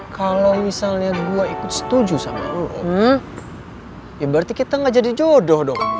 kalau misalnya gue ikut setuju sama allah ya berarti kita gak jadi jodoh dong